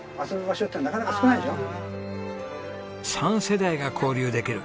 三世代が交流できる。